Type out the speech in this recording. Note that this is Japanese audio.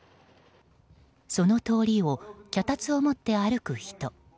その通りを脚立を持って歩く人。